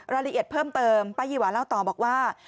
รายละเอียดเพิ่มเติมป้ายีวาเล่าต่อบอกว่า